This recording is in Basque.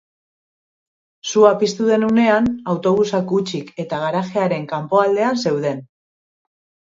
Sua piztu den unean, autobusak hutsik eta garajearen kanpoaldean zeuden.